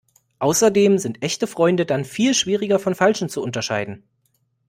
Außerdem sind echte Freunde dann viel schwieriger von falschen zu unterscheiden.